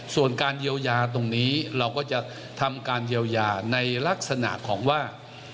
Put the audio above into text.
ส่วนการเยียวยาตรงนี้เราก็จะทำการเยียวยาในลักษณะของว่า